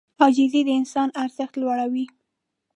عاجزي د انسان ارزښت لوړوي.